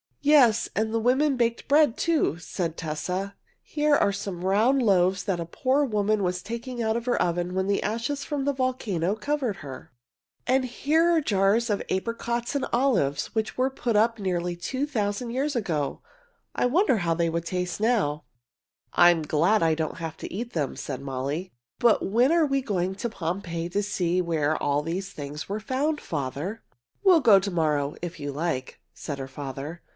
"Yes, and the women baked bread, too," said Tessa. "Here are some round loaves that a poor woman was taking out of her oven when the ashes from the volcano covered her." [Illustration: The children were interested in some slates and slate pencils] "And here are jars of apricots and olives which were put up nearly two thousand years ago. I wonder how they would taste now." "I am glad I don't have to eat them," said Molly. "But when are we going to Pompeii to see where all these things were found, father?" "We will go to morrow, if you like," said her father.